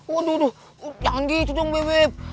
waduh jangan gitu dong bebep